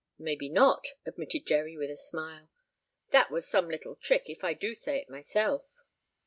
"Maybe not," admitted Jerry, with a smile. "That was some little trick, if I do say it myself."